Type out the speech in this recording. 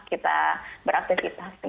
kita beraktivitas gitu